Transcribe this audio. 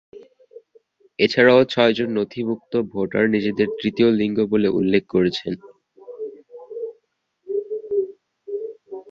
এছাড়াও ছয়জন নথিভূক্ত ভোটার নিজেদের তৃতীয় লিঙ্গ বলে উল্লেখ করেছেন।